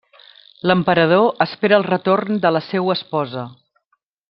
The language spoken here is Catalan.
L'emperador espera el retorn de la seua esposa.